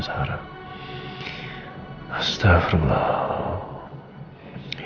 saya lebih ingin lari